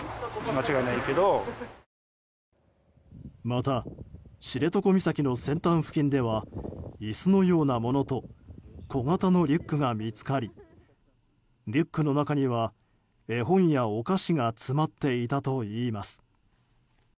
また、知床岬の先端付近では椅子のようなものと小型のリュックが見つかりリュックの中には絵本やお菓子が詰まっていたといいます。